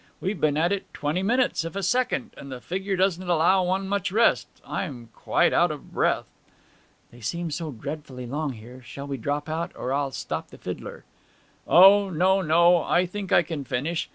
We've been at it twenty minutes if a second, and the figure doesn't allow one much rest. I'm quite out of breath.' 'They like them so dreadfully long here. Shall we drop out? Or I'll stop the fiddler.' 'O no, no, I think I can finish.